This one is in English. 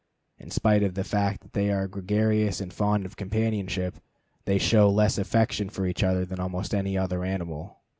In spite of the fact that they are gregarious and fond of companionship, they show less affection for each other than almost any other animal.